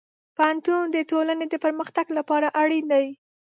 پوهنتون د ټولنې د پرمختګ لپاره اړین دی.